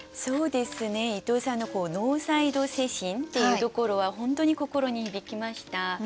そうですね伊藤さんのノーサイド精神っていうところは本当に心に響きました。